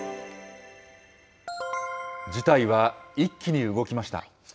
事態は一気に動きました。